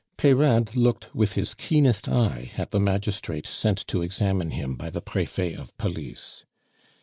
Peyrade looked with his keenest eye at the magistrate sent to examine him by the Prefet of Police.